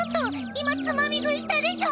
今つまみ食いしたでしょ！